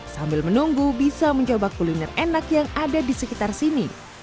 sambil menunggu bisa mencoba kuliner enak yang ada di sekitar sini